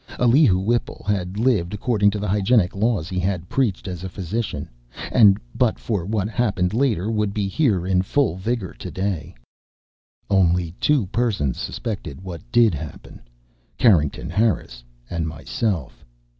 Elihu Whipple had lived according to the hygienic laws he had preached as a physician, and but for what happened later would be here in full vigor today. Only two persons suspected what did happen Carrington Harris and myself.